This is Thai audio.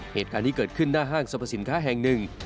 เหตุการณ์นี้เกิดขึ้นหน้าห้างสรรพสินค้าแห่งหนึ่ง